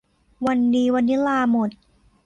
วันนี้วานิลลาหมด